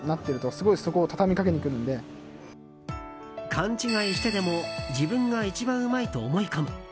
勘違いしてでも自分が一番うまいと思い込む。